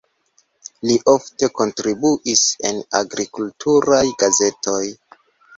Li ofte kontribuis en agrikulturaj gazetoj.